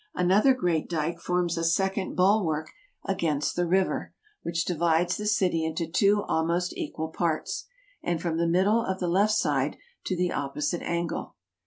Another great dyke forms a second bulwark against the river, which divides the city into two almost equal parts, and from the middle of the left side to the opposite angle.